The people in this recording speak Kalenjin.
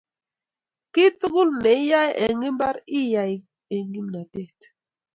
Kiy tugul ne iyae eng' imbar iyai eng' kimnatet